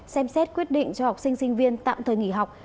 xem xét quyết định cho học sinh sinh viên tạm thời nghỉ học